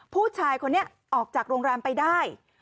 ผู้ชายคนนี้ออกจากโรงแรมไปได้